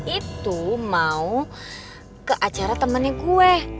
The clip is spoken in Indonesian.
itu mau ke acara temennya kue